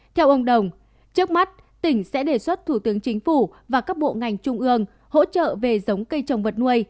theo ông đồng trước mắt tỉnh sẽ đề xuất thủ tướng chính phủ và các bộ ngành trung ương hỗ trợ về giống cây trồng vật nuôi